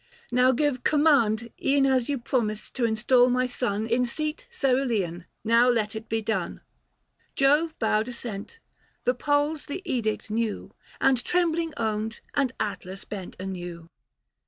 Now give command, E'en as you promised to install my son In seat cerulean, now let it be done." Jove bowed assent ; the poles the edict knew, And trembling owned, and Atlas bent anew.